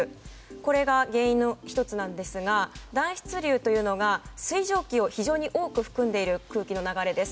これが原因の１つなんですが暖湿流というのが水蒸気を非常に多く含む空気の流れです。